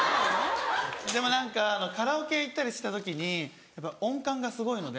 でも何かカラオケ行ったりした時にやっぱ音感がすごいので。